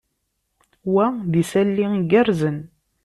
Wa d isali igerrzen.